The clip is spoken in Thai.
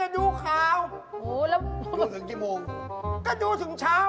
ดูข่าวนะ